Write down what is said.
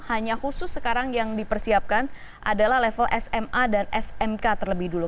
hanya khusus sekarang yang dipersiapkan adalah level sma dan smk terlebih dulu